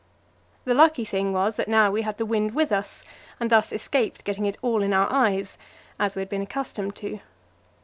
The lucky thing was that now we had the wind with us, and thus escaped getting it all in our eyes, as, we had been accustomed to.